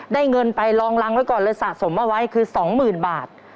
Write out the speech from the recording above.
เงินไปลองรังไว้ก่อนเลยสะสมเอาไว้คือ๒๐๐๐บาท